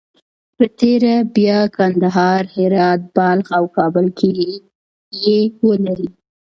په تېره بیا کندهار، هرات، بلخ او کابل کې یې ولري.